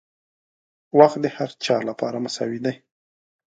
• وخت د هر چا لپاره مساوي دی.